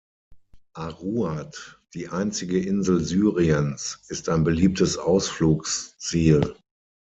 Aruad, die einzige Insel Syriens, ist ein beliebtes Ausflugsziel.